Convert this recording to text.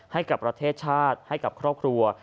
ให้กับประเทศชาติให้กับครอบครัว